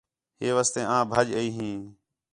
ہے واسطے آں بَھج ای ہیں